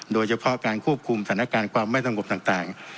โดยเฉพาะการควบคุมสถานการณ์ความไม่สงบต่าง